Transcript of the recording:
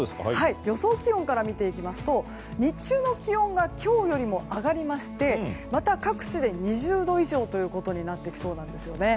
予想気温から見ていきますと日中の気温が今日よりも上がりましてまた各地で２０度以上となってきそうなんです。